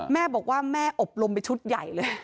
แม่บอกว่าแม่อบรมไปชุดใหญ่เลย